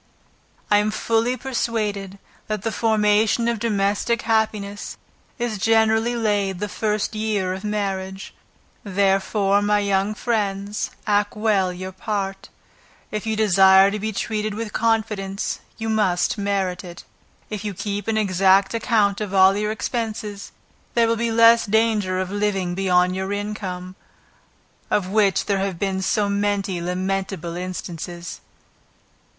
I am fully persuaded that the formation of domestic happiness, is generally laid the first year of marriage: therefore, my young friends, act well your part; if you desire to be treated with confidence you must merit it. If you keep an exact account of all your expenses, there will be less danger of living beyond your income, of which there have been so many lamentable instances.